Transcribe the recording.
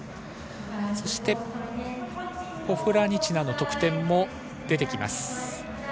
そしてポフラニチナの得点も出てきます。